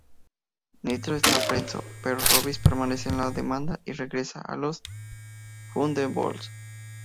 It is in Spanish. Nitro está preso, pero Robbie permanece en la demanda y regresa a los Thunderbolts.